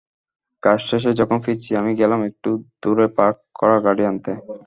কাজ শেষে যখন ফিরছি, আমি গেলাম একটু দূরে পার্ক করা গাড়ি আনতে।